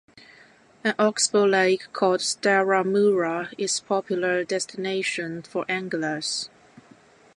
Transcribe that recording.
An oxbow lake called Stara Mura is popular destination for anglers.